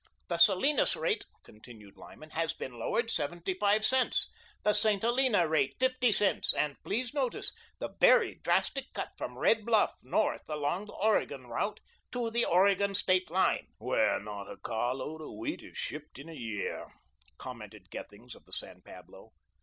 "The Salinas rate," continued Lyman, "has been lowered seventy five cents; the St. Helena rate fifty cents, and please notice the very drastic cut from Red Bluff, north, along the Oregon route, to the Oregon State Line." "Where not a carload of wheat is shipped in a year," commented Gethings of the San Pablo.